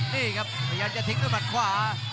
นี่ครับพยายามจะทิ้งด้วยมัดขวา